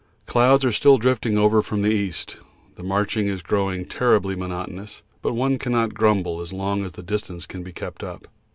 Clouds are still drifting over from the east. The marching is growing terribly monotonous, but one cannot grumble as long as the distance can be kept up.